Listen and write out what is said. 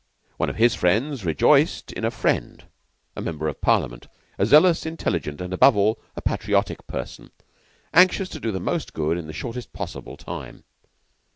One of his friends rejoiced in a friend, a Member of Parliament a zealous, an intelligent, and, above all, a patriotic person, anxious to do the most good in the shortest possible time.